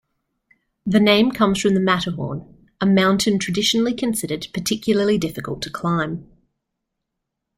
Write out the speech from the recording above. The name comes from the Matterhorn, a mountain traditionally considered particularly difficult to climb.